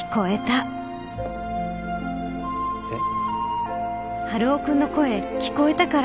えっ？